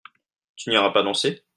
Tu n'iras pas danser ?